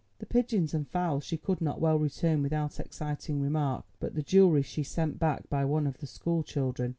The pigeons and fowls she could not well return without exciting remark, but the jewellery she sent back by one of the school children.